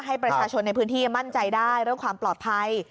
ให้ประชาชนในพื้นที่มั่นใจได้เรื่องความปลอดภัย